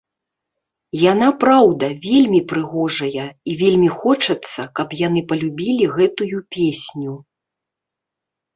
Яна, праўда, вельмі прыгожая, і вельмі хочацца, каб яны палюбілі гэтую песню.